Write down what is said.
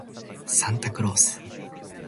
サンタクロース